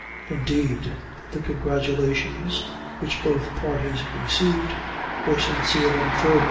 Indeed, the congratulations which both parties received, were sincere and fervent.